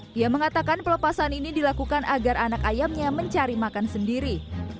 dia mengatakan pelepasan ini dilakukan agar anak ayamnya mencari makan sendiri